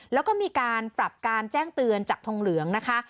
แล้วก็มีการปรับการแจ้งเตือนจากทองเหลืองนะคะ